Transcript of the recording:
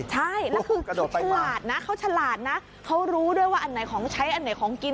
ใช่แล้วคือฉลาดนะเขาฉลาดนะเขารู้ด้วยว่าอันไหนของใช้อันไหนของกิน